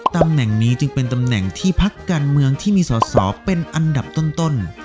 ตำแหน่งนี้จึงเป็นตำแหน่งที่พักการเมืองที่มีสอสอเป็นอันดับต้น